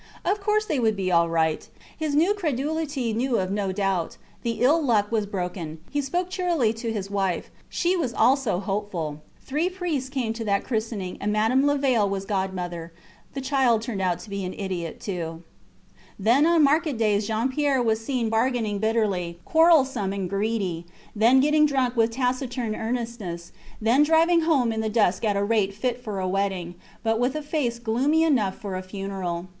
Of course they would be all right. His new credulity knew of no doubt. The ill luck was broken. He spoke cheerily to his wife. She was also hopeful. Three priests came to that christening, and Madame Levaille was godmother. The child turned out an idiot too. Then on market days Jean Pierre was seen bargaining bitterly, quarrelsome and greedy; then getting drunk with taciturn earnestness; then driving home in the dusk at a rate fit for a wedding, but with a face gloomy enough for a funeral.